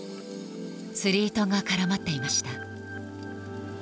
釣り糸が絡まっていました。